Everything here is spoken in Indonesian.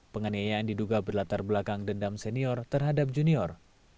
penganiayaan diduga berlatar belakang dendam senior terhadap junior